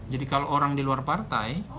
jadi kalau orang di luar partai